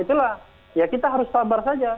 itulah ya kita harus sabar saja